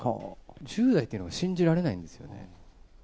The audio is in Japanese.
１０代というのが信じられないんですよね。